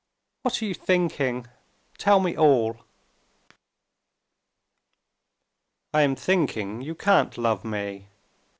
"What are you thinking? tell me all." "I am thinking you can't love me.